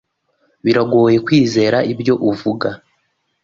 Biragoye kwizera ibyo uvuga.